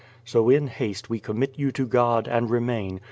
So in haste we commit you to God, and remain.